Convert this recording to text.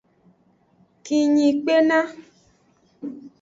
Kinyi kpena.